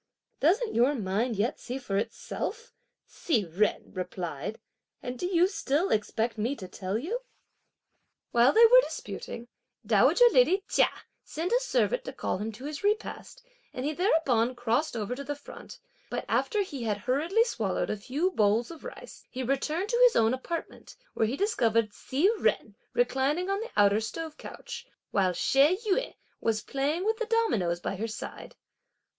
"Doesn't your mind yet see for itself?" Hsi Jen replied; "and do you still expect me to tell you?" While they were disputing, dowager lady Chia sent a servant to call him to his repast, and he thereupon crossed over to the front; but after he had hurriedly swallowed a few bowls of rice, he returned to his own apartment, where he discovered Hsi Jen reclining on the outer stove couch, while She Yüeh was playing with the dominoes by her side.